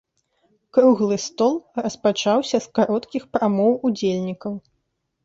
Круглы стол распачаўся з кароткіх прамоў удзельнікаў.